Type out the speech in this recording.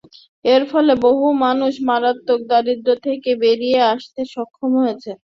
এর ফলে বহু মানুষ মারাত্মক দারিদ্র্য থেকে বেরিয়ে আসতে সক্ষম হয়েছে।